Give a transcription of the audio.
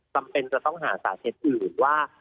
จำเป็นจะต้องหาสาเหตุอื่นว่า